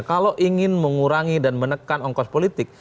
kalau ingin mengurangi dan menekan ongkos politik